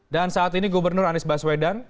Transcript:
saat ini gubernur anies baswedan